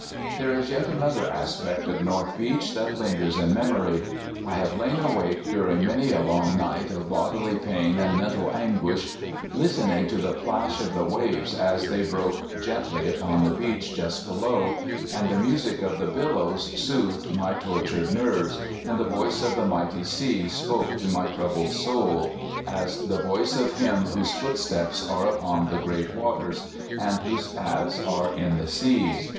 There is yet another aspect of North Beach that lingers in memory. I have lain awake during many a long night of bodily pain and mental an guish, listening to the plash of the waves as they broke gently upon the beach just below, and the music of the billows soothed my tortured nerves, and the voice of the mighty sea spoke to my troub led soul, as the voice of Him whose footsteps are upon the great waters, and whose paths are in the seas.